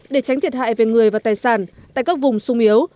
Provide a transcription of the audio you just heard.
để tránh thiệt hại về người và tài sản tại các vùng sung yếu